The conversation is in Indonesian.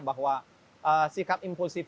bahwa sikap impulsif